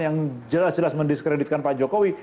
yang jelas jelas mendiskreditkan pak jokowi